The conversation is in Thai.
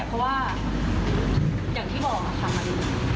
เพราะว่าอย่างที่บอกค่ะมัน